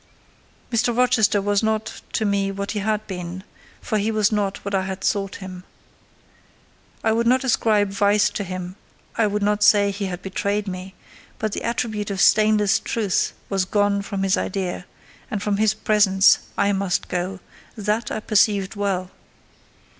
Mr. Rochester was not to me what he had been; for he was not what I had thought him. I would not ascribe vice to him; I would not say he had betrayed me; but the attribute of stainless truth was gone from his idea, and from his presence I must go: that I perceived well.